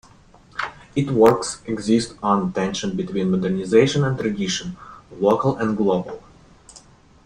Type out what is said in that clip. Its works exist on the tension between modernisation and tradition; local and global.